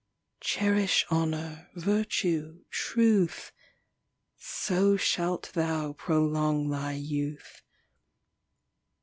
Cherish honour, virtue, truth, So shalt thou prolong thy youth.